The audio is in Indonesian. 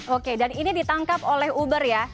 oke dan ini ditangkap oleh uber ya